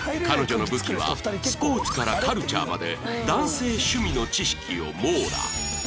彼女の武器はスポーツからカルチャーまで男性趣味の知識を網羅